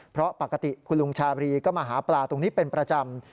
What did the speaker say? เพราะปกติคุณลุงชาบรีก็มาหาปลาตรงนี้เป็นประจำ